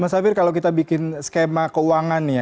mas hafir kalau kita bikin skema keuangan nih ya